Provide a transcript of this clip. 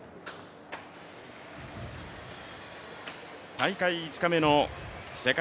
大会５日目の世界